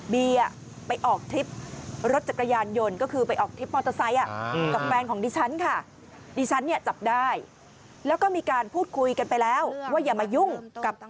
บีไปออกทริปรถจักรยานยนต์